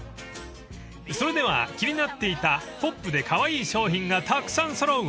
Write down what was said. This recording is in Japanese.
［それでは気になっていたポップでカワイイ商品がたくさん揃うお店へ］